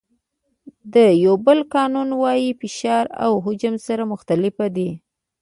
د بویل قانون وایي فشار او حجم سره مخالف دي.